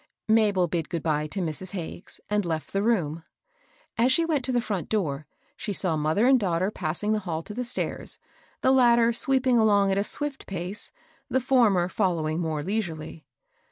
Mabel bid good day to Mrs. Hagges, and left the room. As she went to the front door, she saw mother and daughter passing the hall to the stairs, the latter sweeping along at a swift pace, the for mer following more leisurely.